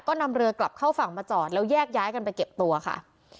ก็นำเรือกลับเข้าฝั่งมาจอดแล้วแยกย้ายกันไปเก็บตัวค่ะ